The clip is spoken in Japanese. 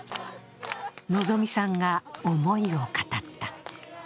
希さんが思いを語った。